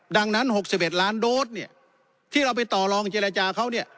ดังนั้น๖๑ล้านโดสที่เราไปต่อรองเจรจาเขา